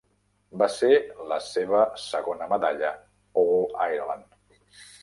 Va ser la seva segona medalla All-Ireland.